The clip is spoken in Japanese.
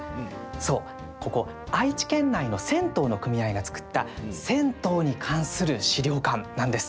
そう、ここ愛知県内の銭湯の組合が作った銭湯に関する資料館なんです。